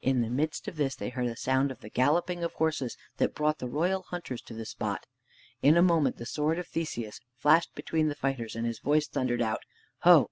In the midst of this they heard a sound of the galloping of horses that brought the royal hunters to the spot. In a moment the sword of Theseus flashed between the fighters, and his voice thundered out, "Ho!